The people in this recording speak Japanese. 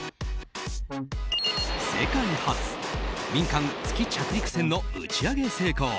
世界初、民間月着陸船の打ち上げ成功。